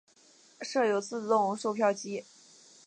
设有自动售票机。